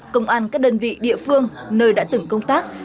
công an các đơn vị địa phương nơi đã từng công tác